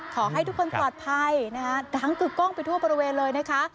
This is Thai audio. ขอให้ทุกคนปลอดภัยนะคะดังกึกกล้องไปทั่วบริเวณเลยนะคะ